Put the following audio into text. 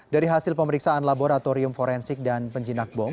dari hasil pemeriksaan laboratorium forensik dan penjinak bom